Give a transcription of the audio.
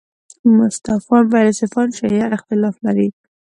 متصوفان فیلسوفان شیعه اختلاف لري.